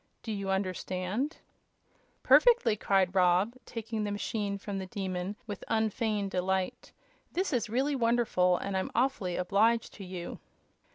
Do you understand?" "Perfectly!" cried Rob, taking the machine from the Demon with unfeigned delight. "This is really wonderful, and I'm awfully obliged to you!"